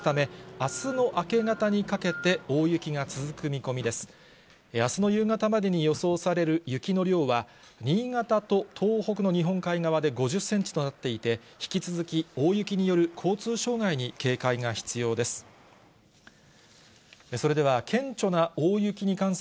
あすの夕方までに予想される雪の量は、新潟と東北の日本海側で５０センチとなっていて、引き続き大雪による交通障害に警戒が必要です。